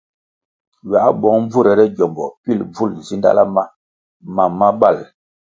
Ywā bong bvurere gyombo pil bvul nzidala ma mam ma bal.